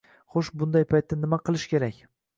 Xo‘sh, bunday paytda nima qilish kerak?